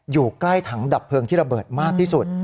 อยู่ใกล้ถังดับเพลิงที่ระเบิดมากที่สุด